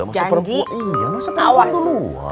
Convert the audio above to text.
masa perempuan duluan